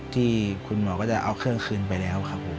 ที่คุณหมอก็จะเอาเครื่องคืนไปแล้วครับผม